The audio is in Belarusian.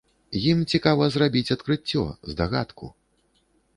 Ім цікава зрабіць адкрыццё, здагадку.